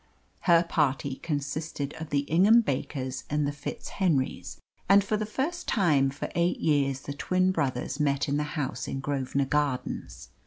Her party consisted of the Ingham Bakers and the FitzHenrys, and for the first time for eight years the twin brothers met in the house in Grosvenor Gardens.